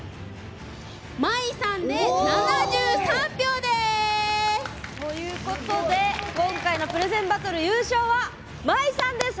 まいさんで、７３票です！ということで今回のプレゼンバトル優勝は、まいさんです。